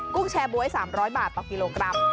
ุ้งแชร์บ๊วย๓๐๐บาทต่อกิโลกรัม